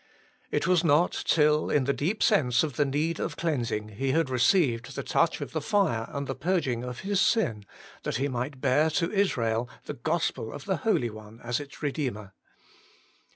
It was not till, in the deep sense of the need of cleansing, he had received the touch of the fire and the purging of his sin, that he might bear to Israel the Gospel of the Holy One as its Eedeemer.